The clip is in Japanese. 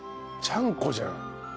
ちゃんこじゃん。